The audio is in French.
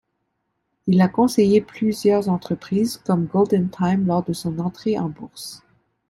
Il a conseillé plusieurs entreprises, comme Goldentime lors de son entrée en bourse.